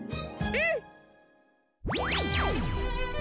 うん！